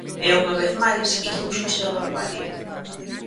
E unha vez máis, impúxose a barbarie.